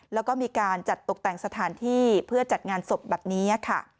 แล้วก็มีการจัดตกแต่งสถานที่เพื่อจัดงานศพแบบนี้ค่ะ